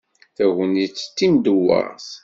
Tagnit d timdewweṛt.